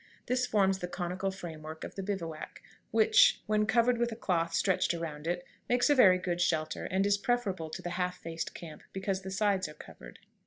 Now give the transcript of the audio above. This forms the conical frame work of the bivouac, which, when covered with a cloth stretched around it, makes a very good shelter, and is preferable to the half faced camp, because the sides are covered.